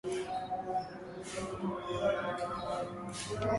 katika juhudi zao za kuwadhibiti al Shabaab ilielezewa na maafisa wa jeshi la Marekani